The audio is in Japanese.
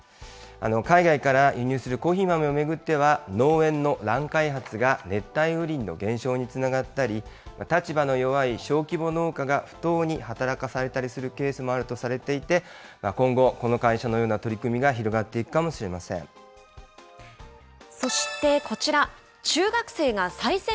海外から輸入するコーヒー豆を巡っては、農園の乱開発が熱帯雨林の減少につながったり、立場の弱い小規模農家が不当に働かされたりするケースもあるとされていて、今後、この会社のような取り組みが広がっていくかもしそして、こちら。